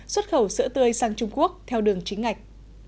xuất khẩu sữa tươi sang trung quốc theo đường chính ngạch